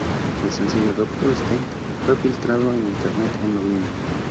El sencillo "Dr. Stein" fue filtrado en internet en Noviembre.